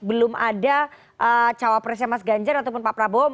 belum ada cawa presnya mas ganjar ataupun pak prabowo